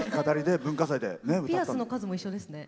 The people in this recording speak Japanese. ピアスの数も一緒ですね